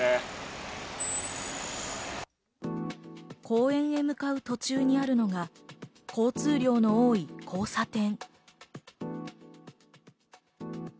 公園へ向かう途中にあるのが交通量の多い交差点。